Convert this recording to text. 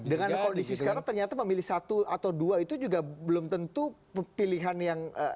dengan kondisi sekarang ternyata memilih satu atau dua itu juga belum tentu pilihan yang